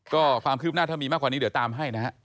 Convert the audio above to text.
ก็ความคืบหน้าถ้ามีมากกว่านี้เดี๋ยวตามให้นะฮะ